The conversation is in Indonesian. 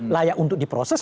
layak untuk diproses